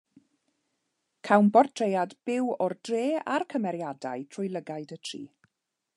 Cawn bortread byw o'r dre a'r cymeriadau trwy lygaid y tri.